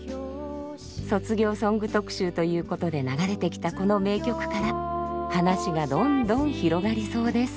卒業ソング特集ということで流れてきたこの名曲から話がどんどん広がりそうです。